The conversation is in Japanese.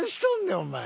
お前。